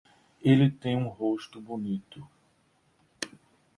Ele tem um rosto bonito.